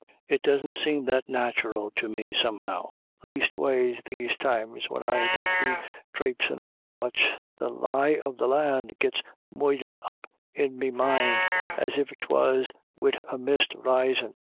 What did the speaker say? It doesn't seem that nathural to me somehow ; lasteways these times when I don't be trapesin' about much, the lie of the Ian' gits moidhered up in me mind, as if 'twas wid a mist risin'.